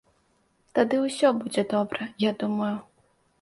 Тады ўсё будзе добра, я думаю.